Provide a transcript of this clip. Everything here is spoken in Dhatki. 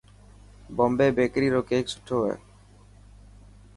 بمبي بيڪري روڪيڪ سٺو هي.